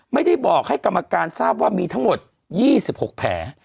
ไม่ได้บอกให้กรรมการทราบว่ามีทั้งหมด๒๖แผล